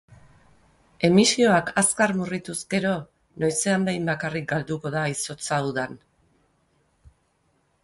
Emisioak azkar murriztuz gero, noizean behin bakarrik galduko da izotza udan.